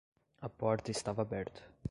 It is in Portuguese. A porta estava aberta.